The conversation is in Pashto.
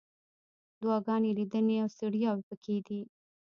دعاګانې، لیدنې، او ستړیاوې پکې دي.